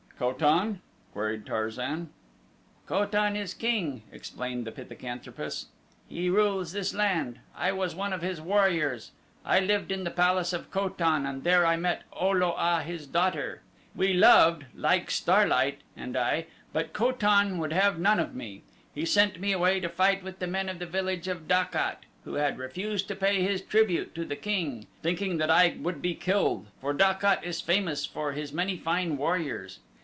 "Ko tan?" queried Tarzan. "Ko tan is king," explained the pithecanthropus. "He rules this land. I was one of his warriors. I lived in the palace of Ko tan and there I met O lo a, his daughter. We loved, Likestar light, and I; but Ko tan would have none of me. He sent me away to fight with the men of the village of Dak at, who had refused to pay his tribute to the king, thinking that I would be killed, for Dak at is famous for his many fine warriors.